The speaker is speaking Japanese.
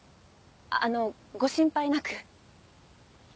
あのご心配なく。